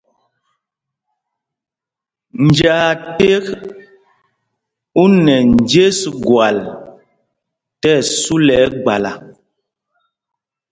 Njāā ték u nɛ njes gwal tí ɛsu lɛ ɛgbala.